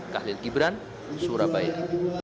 kahli kibran surabaya